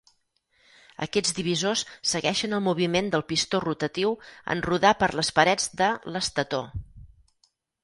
Aquests divisors segueixen el moviment del pistó rotatiu en rodar per les parets de l'estator.